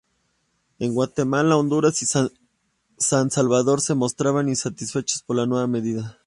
En Guatemala, Honduras y San Salvador se mostraban insatisfechos por la nueva medida.